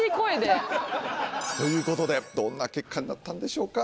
ということでどんな結果になったんでしょうか？